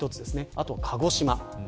あとは鹿児島。